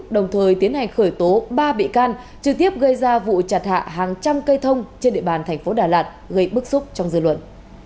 đồng thời tiến hành khởi tố ba bị can trực tiếp gây ra vụ chặt hạ hàng trăm cây thông trên địa bàn thành phố đà lạt gây bức xúc trong dư luận